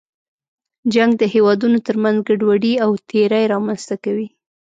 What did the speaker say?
جنګ د هېوادونو تر منځ ګډوډي او تېرې رامنځته کوي.